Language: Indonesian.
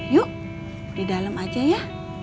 yuk di dalam aja ya